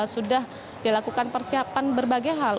sudah dilakukan persiapan berbagai hal